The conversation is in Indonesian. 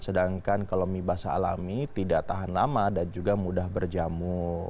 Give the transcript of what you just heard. sedangkan kalau mie basah alami tidak tahan lama dan juga mudah berjamu